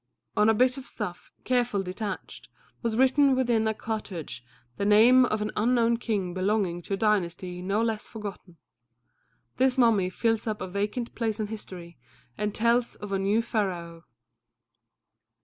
On a bit of stuff, carefully detached, was written within a cartouche the name of an unknown king belonging to a dynasty no less forgotten. This mummy fills up a vacant place in history and tells of a new Pharaoh.